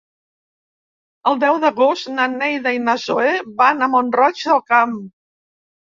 El deu d'agost na Neida i na Zoè van a Mont-roig del Camp.